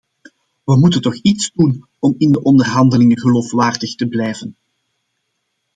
We moeten toch iets doen om in de onderhandelingen geloofwaardig te blijven.